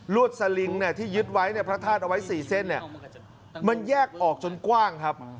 วดสลิงที่ยึดไว้เนี่ยพระธาตุเอาไว้๔เส้นเนี่ยมันแยกออกจนกว้างครับ